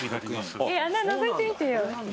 穴のぞいてみてよ。